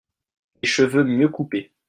Des cheveux mieux coupés.